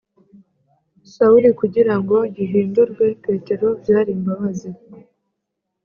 Sawuri kugira ngo gihindurwe petero byari imbabazi